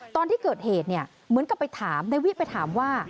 ตอนที่เกิดเหตุเนี่ยเหมือนกับไปถามนายวิไปถามว่า